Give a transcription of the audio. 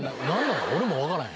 俺も分からへん。